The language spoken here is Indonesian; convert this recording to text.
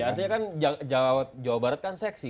artinya kan jawa barat kan seksi